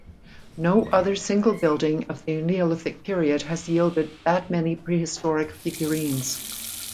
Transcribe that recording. No other single building of the Neolithic period has yielded that many prehistoric figurines.